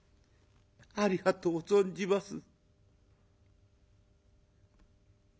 ありがとう存じます」。